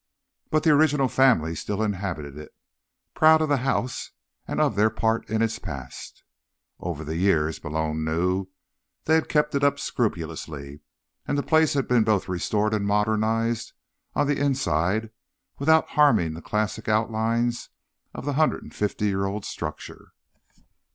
But the original family still inhabited it, proud of the house and of their part in its past. Over the years, Malone knew, they had kept it up scrupulously, and the place had been both restored and modernized on the inside without harming the classic outlines of the hundred and fifty year old structure.